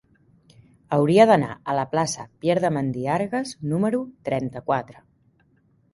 Hauria d'anar a la plaça de Pieyre de Mandiargues número trenta-quatre.